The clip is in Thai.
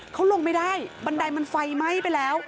เขาลงไม่ได้บันไดมันไฟไหม้ไปแล้ว